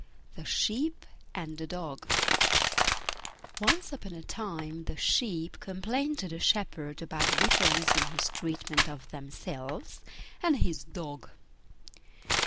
THE SHEEP AND THE DOG Once upon a time the Sheep complained to the shepherd about the difference in his treatment of themselves and his Dog.